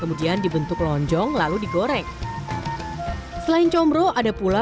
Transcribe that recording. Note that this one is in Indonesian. orang dieluma ian hanta merosot aika cepat sama penuh beratnya